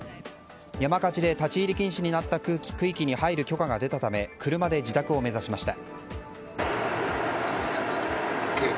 山火事で立ち入り禁止になった区域に入る許可が出たため車で自宅を目指しました。